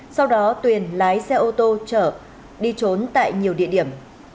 sau đó tuyền lái xe ô tô trở đi trốn tại nhiều địa điểm